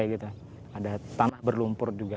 ada tanah berlumpur juga